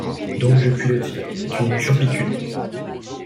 Donc je puis le dire, c'est une turpitude!